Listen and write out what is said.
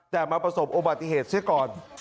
แต่มาประสบอุบัติเหตุเสียก่อน